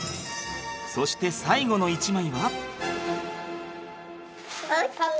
そして最後の一枚は。